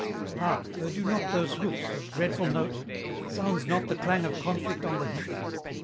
Hark! heard you not those hoofs of dreadful note? Sounds not the clang of conflict on the heath?